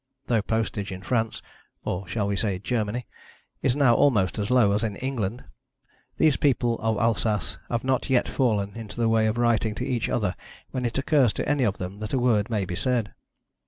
Though postage in France or shall we say Germany? is now almost as low as in England, these people of Alsace have not yet fallen into the way of writing to each other when it occurs to any of them that a word may be said.